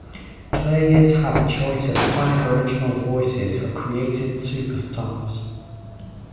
Players have a choice of five original voices for created superstars.